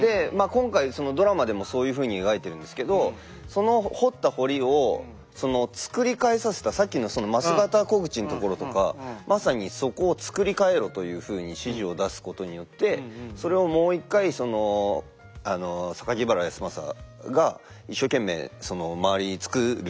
今回そのドラマでもそういうふうに描いてるんですけどそのさっきのその枡形虎口のところとかまさにそこを造り替えろというふうに指示を出すことによってそれをもう１回原康政が一生懸命その周りに造るんですよ。